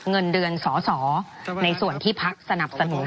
ไม่ได้เป็นประธานคณะกรุงตรี